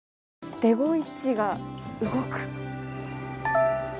「デゴイチが動く！！」。